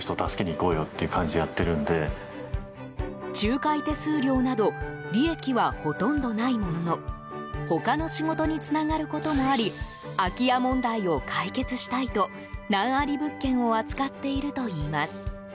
仲介手数料など利益は、ほとんどないものの他の仕事につながることもあり空き家問題を解決したいと難あり物件を扱っているといいます。